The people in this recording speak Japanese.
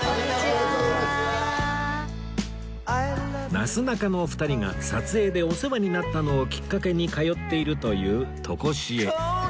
なすなかのお二人が撮影でお世話になったのをきっかけに通っているというとこしえ